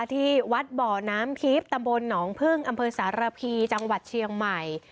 ที่วัดบ่อน้ำทิพย์ตำบลหนองพึ่งอำเภอสารพีจังหวัดเชียงใหม่